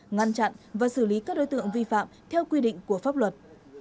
ngăn chặn và xử lý các đối tượng vi phạm theo quy định của pháp luật